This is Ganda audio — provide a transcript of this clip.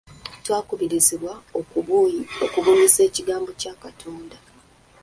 Twakubirizibwa okubunyisa ekigambo kya Katonda.